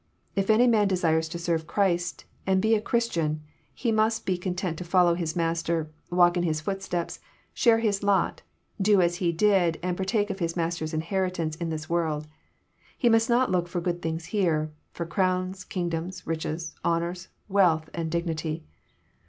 If any man desires to serve Christ, and be a Christian, he most be con tent to follow His Master, walk in His footsteps, share His lot, do as He did, and i>artake of His Master's inheritance in this world. He mast not look for good things here, — for crowns, kingdoms, riches, honours, wealth, and dignity.